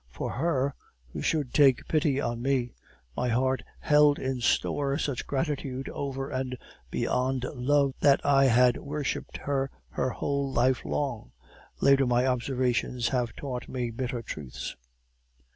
For her, who should take pity on me, my heart held in store such gratitude over and beyond love, that I had worshiped her her whole life long. Later, my observations have taught me bitter truths.